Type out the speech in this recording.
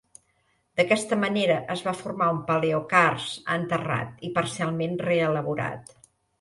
D'aquesta manera es va formar un paleocarst enterrat i parcialment reelaborat.